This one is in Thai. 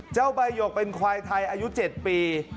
เจ้าใบหยกเป็นควายไทยอายุ๗ปี